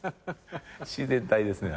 自然体ですね。